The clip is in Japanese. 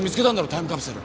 タイムカプセル。